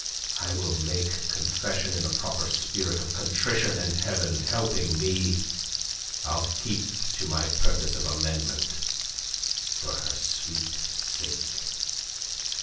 I will make confession in the proper spirit of contrition, and Heaven helping me, I'll keep to my purpose of amendment for her sweet sake."